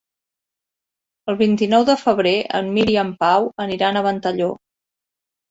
El vint-i-nou de febrer en Mirt i en Pau aniran a Ventalló.